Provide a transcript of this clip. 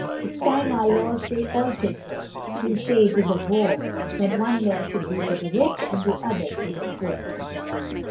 It's time our laws they altered were, You'll say it is a bore, That one law should be for the rich, And another for the poor.